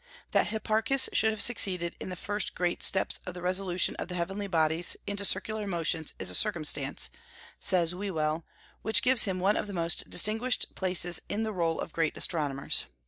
"That Hipparchus should have succeeded in the first great steps of the resolution of the heavenly bodies into circular motions is a circumstance," says Whewell, "which gives him one of the most distinguished places in the roll of great astronomers."